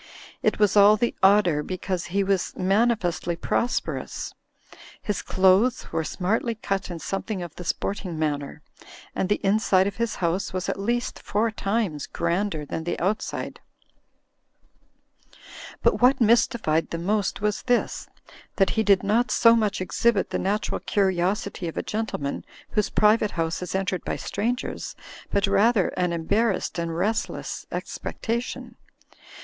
It was all the odder because he was manifestly pros perous; his clothes were smartly cut in something of the sporting manner, and the inside of his house was at least four times grander than the outside. But what mystified them most was this, that he did not so much exhibit the natural curiosity of a gentle man whose private house is entered by strangers, but rather an embarrassed and restless expectation.